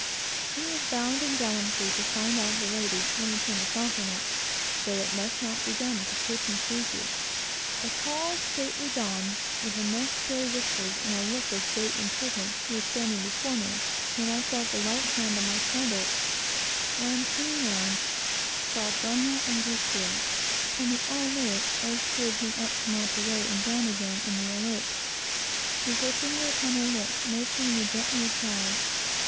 He is bound in gallantry to find out the lady and return the compliment, though it must not be done if the person sees you. A tall, stately Don, with immense grey whiskers, and a look of great importance, was standing before me, when I felt a light hand on my shoulder, and turning round, saw Donna Angustia, (whom we all knew, as she had been up to Monterey, and down again, in the Alert,) with her finger upon her lip, motioning me gently aside.